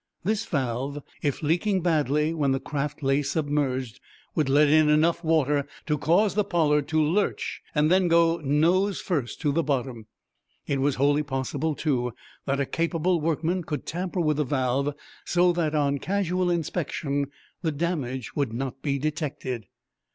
This valve, if leaking badly when the craft lay submerged, would let in enough water to cause the "Pollard" to lurch and then go, nose first, to the bottom. It was wholly possible, too, that a capable workman could tamper with the valve so that, on casual inspection, the damage would not be detected.